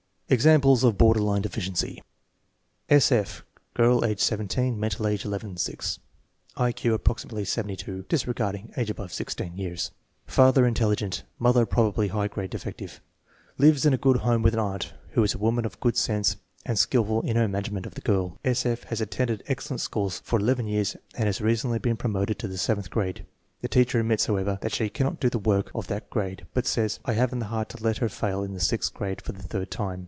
Examples of border line deficiency S. F. Girl, age 17; mental age 11 G; I Q approximately 72 (dis regarding age above 1C) years). Father intelligent; mother probably high grade defective. Lives in a good home with aunt, who is a woman of good sense and skillful in her manage ment of the girl. S, F. has attended excellent schools for eleven years and has recently been promoted to the seventh grade. The teacher admits, however, that she cannot do the work of that grade, but says, "I have n't the heart to let her fail in the sixth grade for the third time."